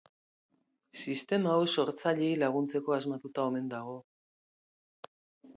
Sistema hau sortzaileei laguntzeko asmatuta omen dago.